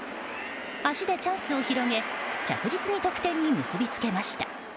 足でチャンスを広げ着実に得点に結びつけました。